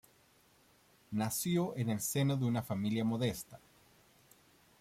Nació en el seno de una familia modesta.